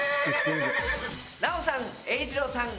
ナオさん